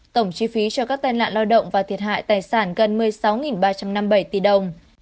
tổng chi phí cho các tai nạn lao động và thiệt hại tài sản gần một mươi sáu ba trăm năm mươi bảy tỷ đồng